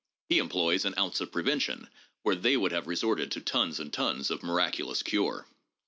He employs an ounce of prevention where they would have resorted to tons and tons of miraculous cure.